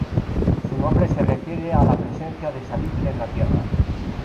Su nombre se refiere a la presencia de salitre en la tierra.